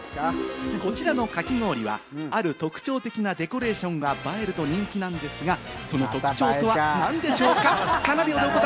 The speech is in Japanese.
こちらのかき氷はある特徴的なデコレーションが映えると人気なんですが、その特徴は何でしょうか？